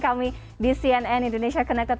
kami di cnn indonesia connected